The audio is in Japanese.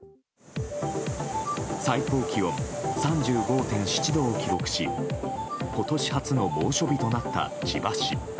最高気温３５．７度を記録し今年初の猛暑日となった千葉市。